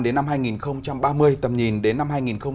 đến năm hai nghìn ba mươi tầm nhìn đến năm hai nghìn năm mươi